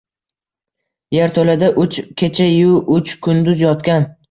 Yerto‘lada uch kecha-yu uch kunduz yotgan